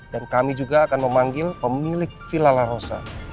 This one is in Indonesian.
dan kami juga akan memanggil pemilik villa la rosa